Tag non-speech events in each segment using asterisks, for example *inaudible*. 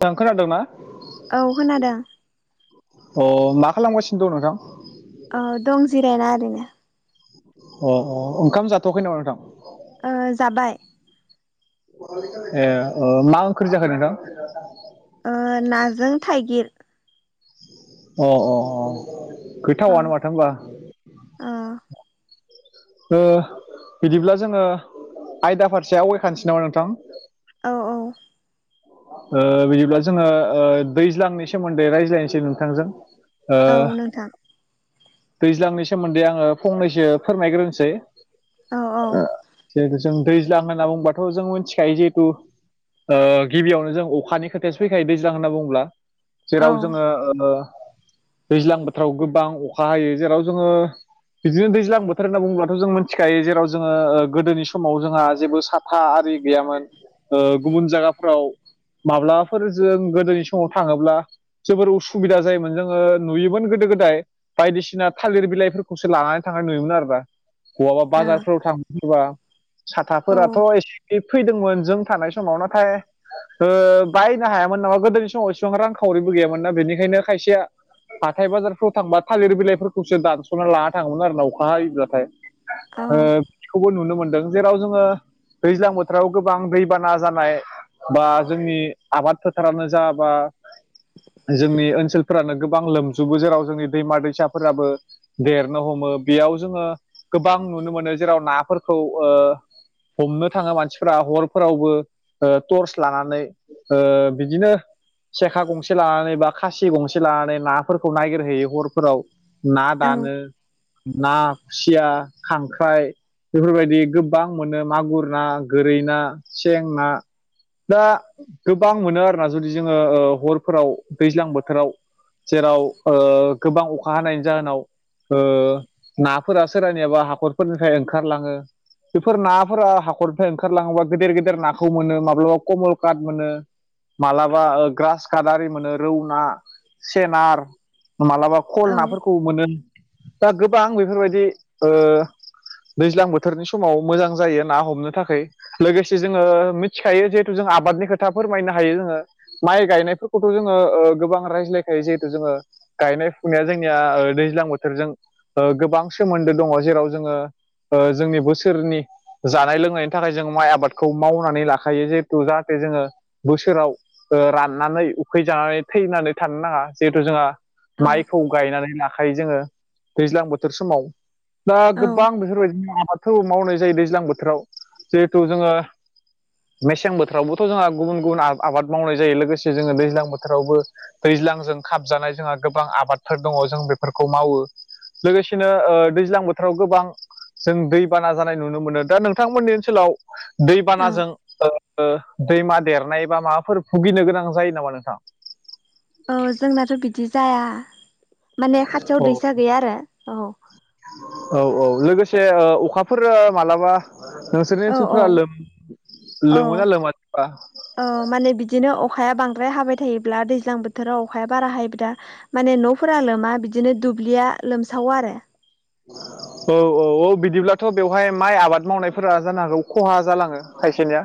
दां खोनादोंना औ खोनादों अ मा खालामगासिनो दं नोंथां? ओ दं जिरायना ओरैनो अ अ ओंखाम जाथ'वाखै नामा नोंथां? ओ जाबाय ए मा ओंख्रि जाखो नोंथां? ओ नाजों थाइगिर। अ अ अ अ खोथावानो माथो होमबा। अ ओ बिदिब्ला जोङो आयदा फारसे आवगायखानोसै नामा नोंथां? औ औ। ओ बिदिब्ला जोङो ओ दैज्लांनि सोमोन्दै रायज्लायनोसै नोंथांजों। ओ औ नोंथां दैज्लांनि सोमोन्दै आङो फंनैसो फोरमायग्रोनोसै। औ औ जों दैज्लां होनना बुंबाथ' जों मिथिखायो जिहेथु गिबियावनो जों अखानि खोथायासो फैखायो दैज्लां होनना बुंडोब्ला। औ जेराव जोङो दैज्लां बोथोराव गोबां अखा हायो। जेराव जोङो बिदिनो दैज्लां बोथोर होनना बुङोब्लाथ' जों मिथिखायो। जेराव जोङो गोदोनि समाव जोंहा जेबो सा था आरि गैयामोन। गुबुन जायगाफ्राव माब्लाफोरजोंयो गोदोनि समाव थाङोब्ला जोबोर उसुबिदा जायोमोन जोङो नुयोमोन गोदो गोदाय बायदिसिना थालिर बिलाइफोरखौसो लानानै थांनाय नुयोमोन आरोना। बहाबा औ बाजारफोराव थाङोफोरबा। औ साथाफोराथ' एसे फैदोंमोन जों थानाय समाव। नाथाय बायनो हायामोन नामा गोदोनि समाव एसेबां रांखावरिबो गैयामोनना। बेनिखायनो खायसे हाथाय बाजारफोराव थांबा थालिर बिलाइफोरखौसो दानस'ना लाना थाङोमोन आरोना अखा हायोब्लाथाय। औ ओ खौबो नुनो मोनदों। जेराव जोङो दैज्लां बोथोराव गोबां दैबाना जानाय सा जोंनि आबाद फोथारानो जा बा जोंनि ओनसोलफोरानो गोबां लोमजोबो। जेराव जोंनि दैमा दैसाफोराबो देरनो हमो बेयाव जोङो गोबां नुनो मोनो। जेराव नाफोरखौ ओ हमनो थाङो मानसिफोरा हरफोरावबो टर्स लानानै। ओ बिदिनो सेखा गंसे लानानै बा खासि गंसे लानानै नाफोरखौ नागिरहैयो हर फोराव ना दानो। ना, खुसिया, खांख्राइ बेफोरबायदि गोबां मोनो मागुर ना गोरै ना सें ना दा गोबां मोनो आरोना। जुदि जोङो ओ हरफोराव दैज्लां बोथोराव जेराव ओ गोबां अखा हानायनि जाहोनाव ओ नाफोरा सोरनियाबा हाखरफोरनिफ्राय ओंखारलाङो। बेफोर नाफोरा हाखरनिफ्राय ओंखारलाङोबा गेदेर गेदेर नाखौ मोनो माब्लाबा कमल काट मोनो। मालाबा ग्रास काप आरि मोनो रौ ना सेनार मालाबा खल औ नाफोरखौ मोनो। दा गोबां बेफोरबायदि दैज्लां बोथोरनि समाव मोजां जायो ना हमनो थाखै। लोगोसे जोङो मिथिखायो जिहेथु जों आबादनि खोथा फोरमायनो हायो जोङो। माइ गायनायफोरखौथ' ओ जोङो गोबां रायज्लायखायो। जिहेथु जोङो गायनाय फुनाया जोंनिया दैज्लां बोथोरजों गोबां सोमोन्दो दङ। जेराव जोङो ओ जोंनि बोसोरनि जानाय लोंनायनि थाखाय जों माइ आबादखौ मावनानै लाखायो। जिहेथु जाहाथे जोङो बोसोराव राननानै उखै जानानै थैनानै थानो नाङा। जिहेथु जोंहा औ माइखौ गायनानै लाखायो जोङो दैज्लां बोथोर समाव। दा गोबां बेफोरबायदिनो आबादखौ मावनाय जायो दैज्लां बोथोराव। जिहेथु जोङो मेसें बोथोरावबोथ' जोंहा गुबुन गुबुन आबाद मावनाय जायो। लोगोसे जोङो दैज्लां बोथोरावबो दैज्लांजों खाबजानाय जोंहा गोबां आबादफोर दङ जों बेफोरखौ मावो। लोगोसेनो ओ दैज्लां बोथोराव गोबां जों दैबाना जानाय नुनो मोनो। दा नोंथांमोननि ओनसोलाव औ दैबानाजों ओ दैमा देरनाय बा माबाफोर भुगिनो गोनां जायो नामा नोंथां? औ जोंनाथ' बिदि जाया माने खाथियाव दैसा गैया आरो औ। औ औ लोगोसे अखाफोर मालाबा नोंसोरनि औ ओनसोलफोरा लोम लोमोना लोमा? ओ माने बिदिनो अखाया बांद्राय हाबाय थायोब्ला दैज्लां बोथोराव अखाया बारा हायोब्ला माने न'फोरा लोमा बिदिनो दुब्लिया लोमसावो आरो। *unintelligible* औ औ औ बिदिब्लाथ' बेवहाय माइ आबाद मावनायफोरा जानो हागौ खहा जालाङो खायसेनिया?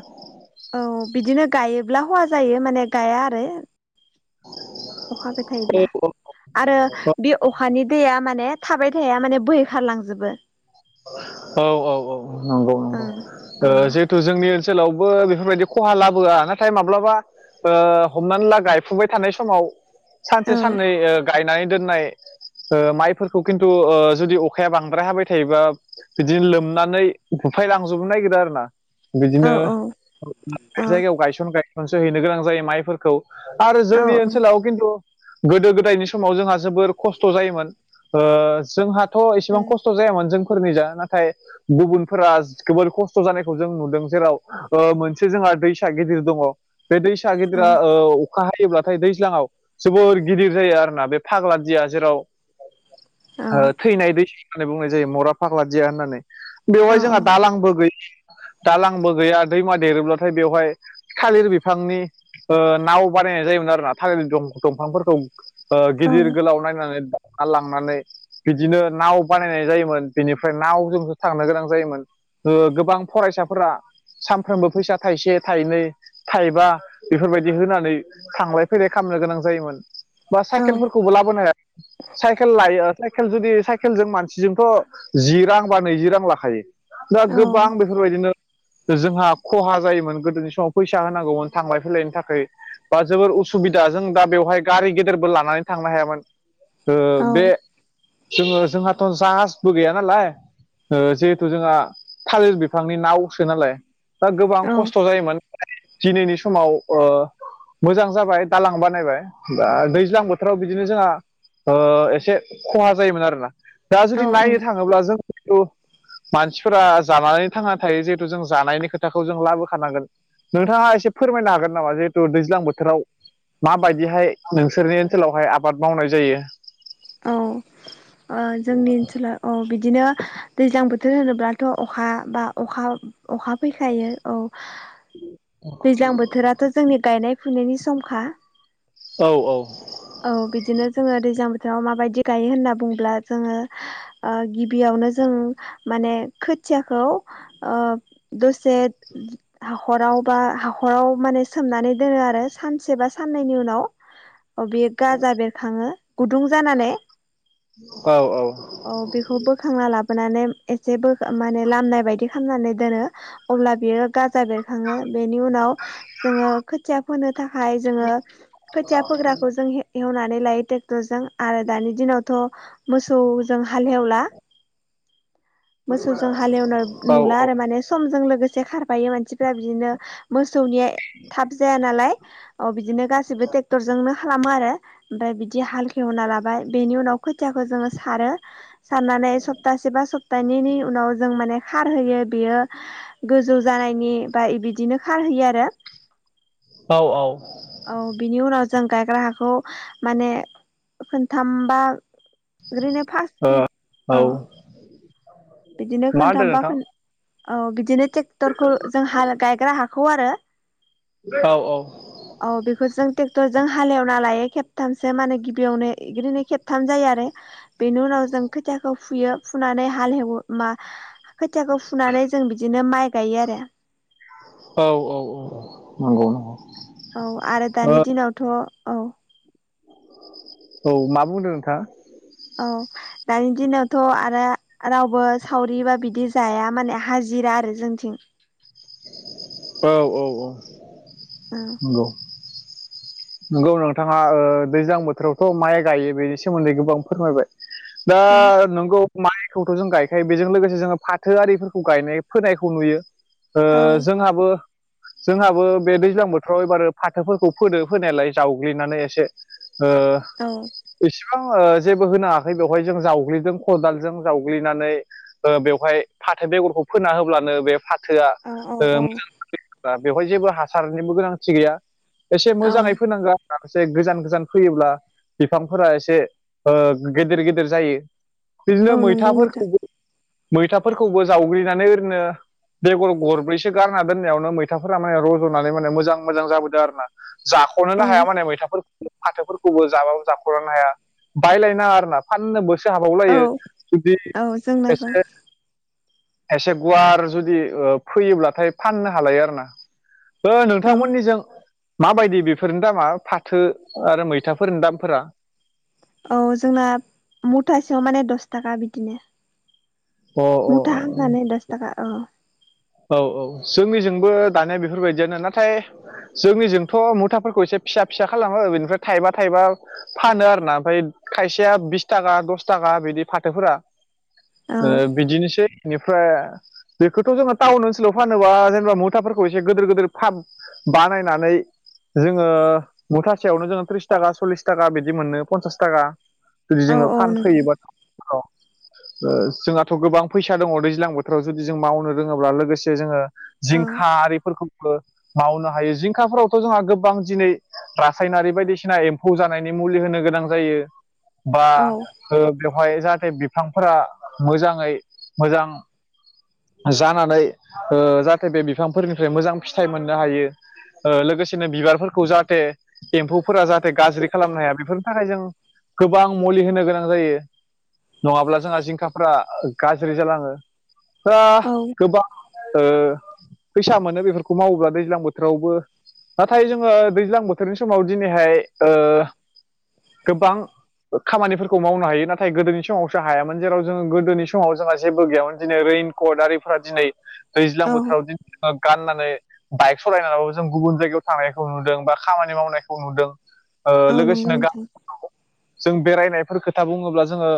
औ बिदिनो गायोब्ला हया जायो माने गाया आरो। अखा हाबाय थायोब्ला आरो बे अखानि दैया माने थाबाय थाया माने बोहैखारलांजोबो औ औ औ नंगौ ओ नंगौ ओ जे जोंनि ओनसोलावबो बेफोरबायदि खहा लाबोआ नाथाय माब्लाबा ओ हमनानै ला गायफुबाय थानाय समाव सानसे औ साननै ओ गायनानै दोननाय ओ माइफोरखौ खिन्थु ओ जुदि अखाया बांद्राय हाबाय थायोबा बिदिनो लोमनानै बुफायलांजोबनो नागिरो आरो ना औ बिदिनो औ बे जायगायाव गायसन गायसनसो हैनो गोनां जायो माइफोरखौ आरो औ जोंनि ओनसोलाव खिन्थु गोदो गोदायनि समाव जोंहा जोबोर खस्थ' जायोमोन ओ जोंहा थ' औ एसेबां खस्थ' जायामोन जोंफोरनि जा नाथाय गुबुनफोरा जोबोर खस्थ' जानायखौ जों नुदों जेराव ओ मोनसे जोंहा दैसा गिदिर दङ। बे दैसा गिदिरा औ अखा हायोब्लाथाय दैज्लाङाव जोबोर गिदिर जायो आरोना बे फाग्लादिया जेराव औ ओ थैनाय दैखोनो होननानै बुंनाय जायो मरा फाग्ला जिया होननानै। बेवहाय औ जोंहा दालांबो गोयि गैया दालांबो गैया दैमा देरोब्लाथाय बेवहाय थालिर बिफांनि ओ नाव बानायनाय जायोमोन आरोना थालिर दं दंफांफोरखौ। ओ औ गिदिर गोलाव नायनानै दावखारलांनानै बिदिनो नाव बानायनाय जायोमोन। बेनिफ्राय नावजोंसो थांनो गोनां जायोमोन ओ गोबां फरायसाफोरा सानफ्रोमबो फैसा थाइसे थाइनै थाइबा बेफोरबायदि होनानै थांलाय फैलाय खालामनो गोनां जायोमोन। बा साइकेलफोरखौबो लाबोनो हाया साइकेल लायो साइकेल जुदि साइकेलजों मानसिजोंथ' जि रां बा नैजि रां लाखायो दा गोबां बेफोरबायदिनो जोंहा खहा जायोमोन गोदोनि समाव फैसा होनांगौमोन थांलाय फैलायनि थाखाय बा जोबोर उसुबिदा जों दा बेवहाय गारि गेदेरबो लानानै थांनो हायामोन। ओ बे जोंङो जोंहाथ' जाहाजबो गैया नालाय ओ जिहेथु जोंहा थालिर बिफांनि नावसो नालाय दा गोबां खस्थ' जायोमोन दिनैनि समाव ओ मोजां जाबाय दालां बानायबाय बा दैज्लां बोथोराव बिदिनो जोंहा ओ एसे खहा जायोमोन आरोना दा औ जुदि नायनो थाङोब्ला जों जेटु मानसिफोरा जानानै थांना थायो जिहेथु जों जानायनि खोथाखौ जों लाबोखानांगोन। नोंथाङा एसे फोरमायनो हागोन नामा? जिहेथु दैज्लां बोथोराव माबायदिहाय नोंसोरनि ओनसोलावहाय आबाद मावनाय जायो। औ ओ जोंनि ओनसोला औ बिदिनो दैज्लां बोथोर होनोब्लाथ' अखा बा अखा अखा फैखायो औ दैज्लां बोथोराथ' जोंनि गायनाय फुनायनि समखा औ औ औ बिदिनो जोंङो दैज्लां याव माबायदि गायो होनना बुंब्ला जोंङो ओ गिबियावनो जों माने खोथियाखौ ओ दसे हाखराव बा हाखराव माने सोमनानै दोनो आरो सानसे बा साननैनि उनाव *inaudible* अ बेयो गाजा बेरखाङो गुदुं जाना नै औ औ बेखौ बोखांना लाबोनानै एसे बो माने लामनाय बायदि खालामनानै दोनो। अब्ला बियो गाजा बेरखाङो बेनि उनाव जोंङो खोथिया फोनो थाखाय जोंङो खोथिया फोग्राखौ जों हे हेवनानै लायो। ट'जों आरो दानि दिनावथ' मोसौजों हालेवला मोसौजों हालेवनाय औ नुला आरो माने समजों लोगोसे खार दायो मानसिफ्रा बिदिनो मोसौनिया थाब जाया नालाय औ बिदिनो गासिबो ट्रेक्टरजोंनो खालामो आरो ओमफ्राय बिदि हाल खेवना लाबाय बेनि उनाव खोथियाखौ जोंङो सारो साननानै सप्तासे बा सप्तानैनि उनाव जों माने खारहयो बेयो गोजौ जानायनि बा इ बिदिनो खारहैयो आरो। औ-औ। औ बिनि उनाव जों गायग्रा हाखौ माने खोनथामबा ओरैनो फा ओ औ। बिदिनो मा होनदों खोनथामबा नोंथां खोन औ बिदिनो टेक्टरखौ जों हा गायग्रा हाखौ आरो। औ औ। औ बेखौ जों ट्रेक्टर जों हालेवना लायो खेबथामसो माने गिबियावनो इग्रिनो खेब थाम जायो आरो बेनि उनाव जों खोथियाखौ फुयो फुनानै हाल हेवो मा खोथियाखौ फुनानै जों बिदिनो माइ गायो आरो। औ औ औ औ नंगौ नंगौ। औ आरो ओ दानि दिनावथ' औ। औ मा बुंदों नोंथाङा? औ दानि दिनावथ' आरो रावबो सावरिबा बिदि जाया माने हाजिरा आरो जोंथिं औ औ औ औ नंगौ। नंगौ नोंथाङा ओ दैज्लां बोथोरावथ' माइ गायो बेनि सोमोन्दै गोबां फोरमायबाय। दा औ नोंगौ। माइखौथ' जों गायखायो बेजों लोगोसे जोङो फाथोआरिफोरखौ गायनाय फोनायखौ नुयो। ओ औ जोंहाबो जोंहाबो बे दैज्लां बोथोराव एबार फाथोफोरखौ फोदों फोनायालाय जावग्लिनानै एसे ओ बां जेबो होनांयाखै बेवहाय जों जावग्लिदों खदालजों जावग्लिनानै बेवहाय फाथो बेगरखौ फोना होब्लानो बे फा थोया औ औ ओ औ मोजां बेवहाय जेबो हासारनिबो गोनांथि गैया एसे औ मोजाङै फोनांगोन माखासे गोजान गोजान फैयोब्ला बिफांफोरा एसे ओ गेदेर गेदेर जायो। बिदिनो औ नंगौ नोंथां मैथाफोरखौबो मैथाफोरखौबो जावग्लिनानै ओरैनो बेगर गरब्रैसो गारना दोननायावनो मैथाफोरा माने रज'नानै माने मोजां मोजां जाबोदों आर ना। औ जाख'नोनो हाया माने मैथाफोर फाथोफोरखौबो जाबाब जाख'नो हाया बायलायनाङा आर ना फाननो बोसोर औ हाबावलायो जुदि औ जोंनाबो एसे एसे गुवार जुदि फैयोब्लाथाय फाननो हालायो आरोना। ओ औ नोंथांमोननिजों माबायदि बेफोरनि दामा फाथो आरो मैथाफोरनि दामफोरा औ जोंना मुथासेयाव माने दस थाखा बिदिनो। अ अ मुथा अ हामनानै दस थाखा अ। औ औ जोंनिजोंबो दानिया बेफोरबायदियानो नाथाय जोंनिजोंथ' मुथाफोरखौ एसे फिसा फिसा खालामो बेनिफ्राय थाइबा थाइबा फानो आरोना ओमफ्राय खायसेया बिस थाखा दस थाखा बिदि फाथोफोरा। औ ओ बिदिनोसै बेनिफ्राय बेखौथ' जोंहा टाउन ओनसोलाव फानोबा जेनेबा मुथाफोरखौ एसे गिदिर गिदिर फाब बानायनानै जोङो मुथासेयावनो जोङो त्रिस थाखा सल्लिस थाखा बिदि मोनो पन्सास थाखा। औ जोङो औ नंगौ फानफैयोमोन। औ जोंहाथ' गोबां फैसा दङ दैज्लां बोथोराव जुदि जों मावनो रोङोब्ला लोगोसे जोङो औ जिंखा आरिफोरखौ मावनो हायो जिंखाफोरावथ' जोंहा गोबां दिनै रासायनारि बायदिसिना एम्फौ जानायनि मुलि होनो गोनां जायो। बा औ बेवहाय जाहाथे बिफांफोरा मोजाङै मोजां जानानै ओ जाहाथे बे बिफांफोरनिफ्राय मोजां फिथाइ मोननो हायो। ओ लोगोसेनो बिबारफोरखौ जाहाथे एम्फौफोरा जाहाथे गाज्रि खालामनो हाया बेफोरनि थाखाय जों गोबां मुलि होनो गोनां जायो। नंङाब्ला जोंहा जिंखाफ्रा गाज्रि जालांङो आ औ गोबां ओ फैसा मोनो बेफोरखौ मावोब्ला दैज्लां बोथोरावबो नाथाय जोंङो दैज्लां बोथोरनि समाव दिनैहाय ओ गोबां खामानिफोरखौ मावनो हायो नाथाय गोदोनि समावसो हायामोन जेराव जोंङो गोदोनि समाव जोंहा जेबो गैयामोन। दिनै रैनकट आरिफोरा दिनै दैज्लां औ बोथोराव दिनै गाननानै बाइक सालायनानैबाबो जों गुबुन जायगायाव थांनायखौ नुदों बा खामानि मावनायखौ नुदों। ओ औ नंगौ लोगोसेनो नोंथां गामि जों बेरायनायफोर खोथा बुंङोब्ला जोंङो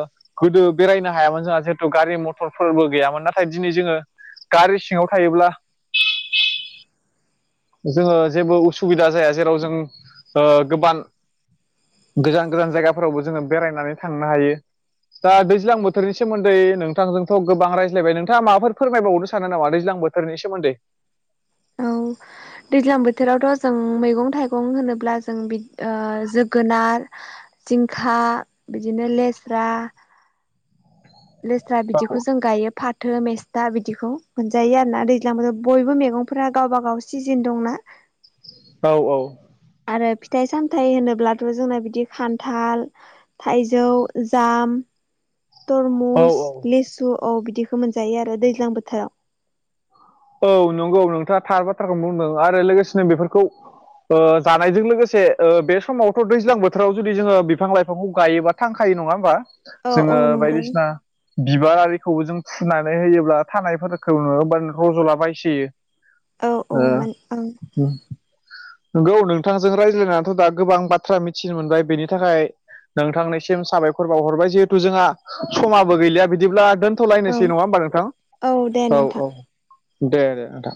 गोदो बेरायनो हायामोन जोंहा जिहेथु गारि मटरफोरबो गैयामोन नाथाय दिनै जोंङो गारि सिंङाव थायोब्ला जोंङो जेबो उसुबिदा जाया जेराव जों ओ गोबां गोजान गोजान जायगाफोरावबो जोंङो बेरायनानै थांनो हायो। दा दैज्लां बोथोरनि सोमोन्दै नोंथांजोंथ' गोबां रायज्लायबाय नोंथांङा माबाफोर फोरमायबावनो सानो नामा दैज्लां बोथोर थोरनि सोमोन्दै औ दैज्लां बोथोरावथ' जों मैगं थाइगं होनोब्ला जों बि ओ जोगोनार जिंखा बिदिनो लेस्रा लेस्रा बिदिखौ औ जों गायो फाथो मेस दा बिदिखौ मोनजायो आरोना दैज्लां बोथोर बयबो मैगंफोरा गावबा गाव सिजेन दंना औ औ। आरो फिथाइ सामथायाइ होनोब्लाथ' जोंना बिदि खान्थाल थाइजौ जाम औ तरमुस लिसु औ बिदिखौ मोनजायो आरो दैज्लां बोथोराव। औ नंगौ नोंथांङा थार बाथ्राखौनो बुंदों आरो लोगोसेनो बेफोरखौ ओ जानायजों लोगोसे ओ बे समावथ' दैज्लां बोथोराव जुदि जोंङो बिफां लाइफांखौ गायोबा थांखायो नंङा होमबानो? औ औ जोंङो नंगौ बायदिसिना बिबारारिखौबो जों फुनानै होयोब्ला थानायफोरखौ नुबा रज'लाबायसोयो औ औ ओ मान ओं उम नंगौ नोंथांजों रायज्लायनानैथ' दा गोबां बाथ्रा मिथिनो मोनबाय बेनि थाखाय नोंथांनिसिम साबायखर बाव हरबाय जिहेथु जोंहा समाबो गैलिया बिदिब्ला दोन दोनथ' औ लायनोसै नंङा होमबा नोंथां दे औ नोंथां औ दे दे नोंथां।